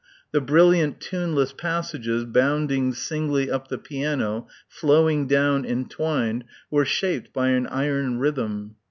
The brilliant tuneless passages bounding singly up the piano, flowing down entwined, were shaped by an iron rhythm.